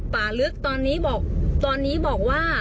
ป่าลึกตอนนี้บอกว่า